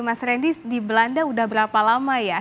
mas randy di belanda udah berapa lama ya